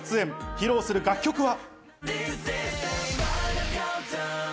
披露する楽曲は。